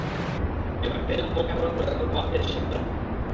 এবার তেল হালকা গরম করে অল্প আঁচে শ্যালো ফ্রাই করতে হবে।